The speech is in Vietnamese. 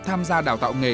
tham gia đào tạo nghề